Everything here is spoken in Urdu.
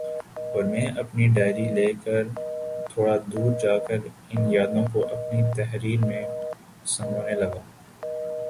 اور میں اپنی ڈائری لے کر تھوڑا دور جا کر ان یادوں کو اپنی تحریر میں سمونے لگا